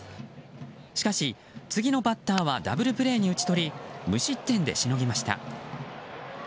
しかし、次のバッターはダブルプレーに打ち取り無失点でしのぎました。